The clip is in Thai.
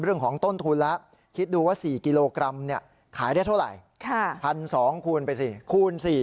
เรื่องของต้นทุนละคิดดูว่า๔กิโลกรัมเนี่ยขายได้เท่าไหร่